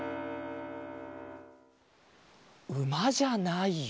うまじゃないよ。